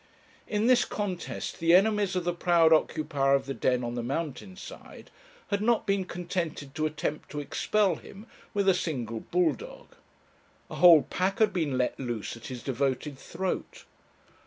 In this contest the enemies of the proud occupier of the den on the mountain side had not been contented to attempt to expel him with a single bull dog. A whole pack had been let loose at his devoted throat.